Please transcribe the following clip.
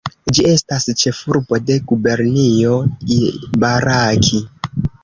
Ĝi estas ĉefurbo de gubernio Ibaraki.